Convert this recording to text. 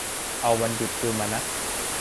เอาวันหยุดคืนมานะ